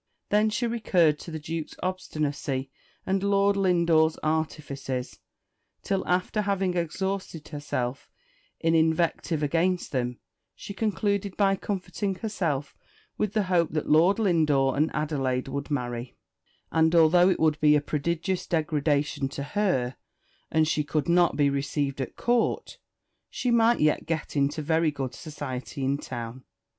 Then she recurred to the Duke's obstinacy and Lord Lindore's artifices, till, after having exhausted herself in invective against them, she concluded by comforting herself with the hope that Lord Lindore and Adelaide would marry; and although it would be a prodigious degradation to her, and she could not be received at Court, she might yet get into very good society in town.